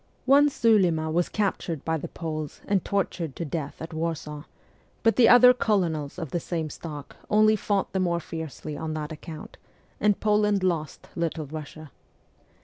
One 14 MEMOIRS OF A REVOLUTIONIST Sulima was captured by the Poles and tortured to death at Warsaw, but the other ' colonels ' of the same stock only fought the more fiercely on that account, and Poland lost Little Eussia.